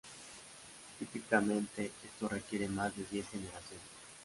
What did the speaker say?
Típicamente esto requiere más de diez generaciones.